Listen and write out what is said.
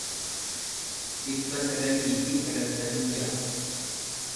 dhibba sagalii fi sagaltamii ja'a